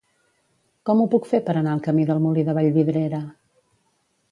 Com ho puc fer per anar al camí del Molí de Vallvidrera?